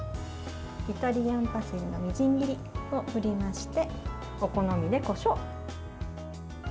イタリアンパセリのみじん切りを振りましてお好みで、こしょう。